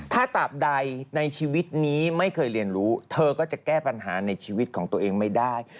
ถ้าตามใดในชีวิตนี้ไม่เคยเรียนรู้เธอก็จะแก้ปัญหาในชีวิตของตัวเองไม่ได้